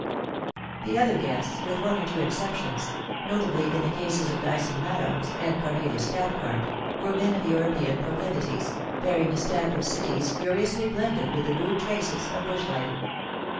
The other guests, with one or two exceptions, notably in the cases of Dyson Maddox and Cornelius Cathcart, were men of European proclivities, bearing the stamp of cities curiously blended with the rude traces of bush life.